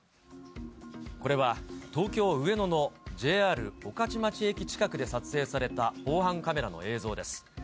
これは東京・上野のＪＲ御徒町駅近くで撮影された防犯カメラの映像です。